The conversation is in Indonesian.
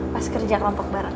pas kerja kelompok bareng